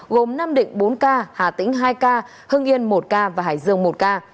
gồm nam định bốn ca hà tĩnh hai ca hưng yên một ca và hải dương một ca